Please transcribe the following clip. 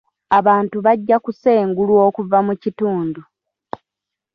Abantu bajja kusengulwa okuva mu kitundu.